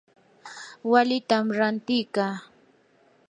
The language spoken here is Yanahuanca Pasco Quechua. walitam rantikaa.